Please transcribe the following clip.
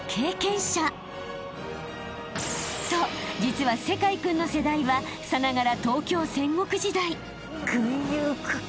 ［そう実は聖魁君の世代はさながら東京戦国時代］